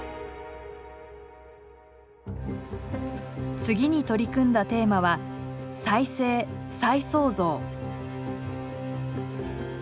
次に取り組んだテーマは「再生・再創造」。